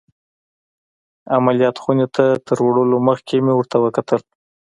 عمليات خونې ته تر وړلو مخکې مې ورته وکتل.